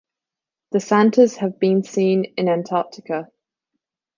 The Santas have been seen in Antarctica.